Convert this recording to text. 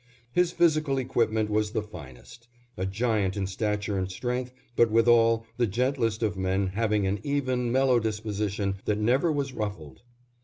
His physical equipment was the finest; a giant in stature and strength, but withal the gentlest of men having an even, mellow disposition that never was ruffled.